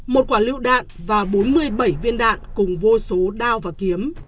một quả lựu đạn và bốn mươi bảy viên đạn cùng vô số đao và kiếm